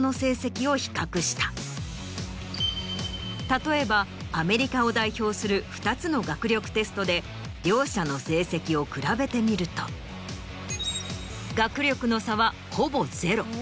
例えばアメリカを代表する２つの学力テストで両者の成績を比べてみると学力の差はほぼゼロ。